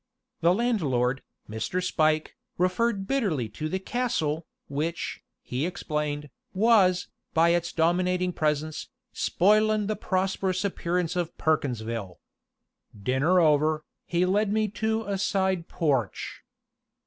The landlord, Mr. Spike, referred bitterly to the castle, which, he explained, was, by its dominating presence, "spoilin' the prosperous appearance of Perkinsville." Dinner over, he led me to a side porch.